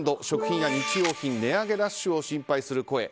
食品や日用品値上げラッシュを心配する声。